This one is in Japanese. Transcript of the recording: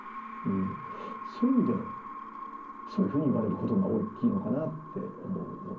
そういう意味でそういうふうに言われることが大きいのかなって思うので。